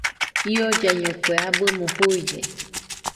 Iollaiño kue abɨmo juuide.